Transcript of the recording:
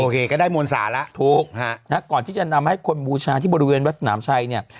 ก็ได้มวลสาระถูกฮะนะก่อนที่จะนำให้คนบูชาที่บริเวณวัดสนามชัยเนี่ย